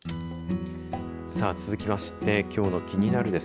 さあ、続きましてきょうのキニナル！です